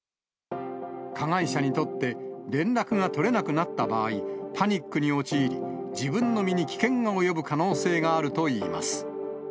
加害者にとって、連絡が取れなくなった場合、パニックに陥り、自分の身に危険が及ぶ可能性があるといいます。